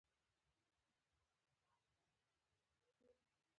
زه پر خپلو ژمنو ولاړ یم.